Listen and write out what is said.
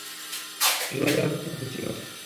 আমি বাইরে অপেক্ষা করছি, মাস্টার।